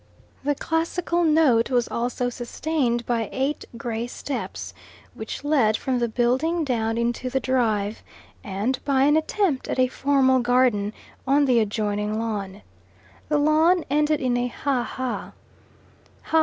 The classical note was also sustained by eight grey steps which led from the building down into the drive, and by an attempt at a formal garden on the adjoining lawn. The lawn ended in a Ha ha ("Ha!